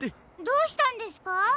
どうしたんですか？